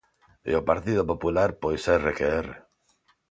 E o Partido Popular, pois erre que erre.